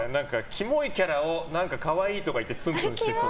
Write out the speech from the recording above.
キモいキャラを可愛いとか言ってつんつんしてそう。